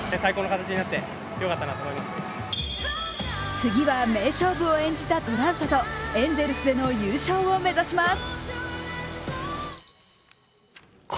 次は名勝負を演じたトラウトとエンゼルスでの優勝を目指します。